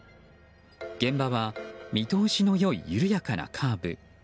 現場は見通しの良い緩やかなカーブ。